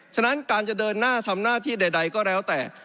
ฉะนั้นการจะเดินหน้าทำหน้าที่ใดก็แล้วแต่